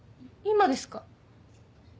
今ですか？